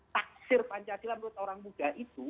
taksir pancasila menurut orang muda itu